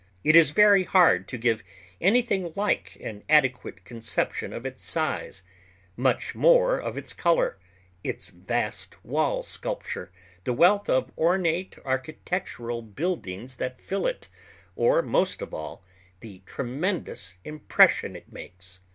It is very hard to give anything like an adequate conception of its size; much more of its color, its vast wall sculpture, the wealth of ornate architectural buildings that fill it, or, most of all, the tremendous impression it makes.